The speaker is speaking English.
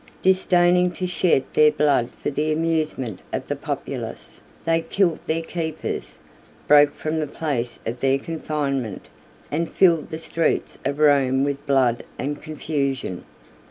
Disdaining to shed their blood for the amusement of the populace, they killed their keepers, broke from the place of their confinement, and filled the streets of Rome with blood and confusion.